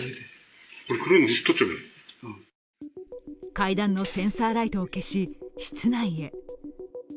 階段のセンサーライトを消し室内へ。